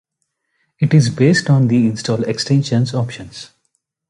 it is based on the installed extensions' options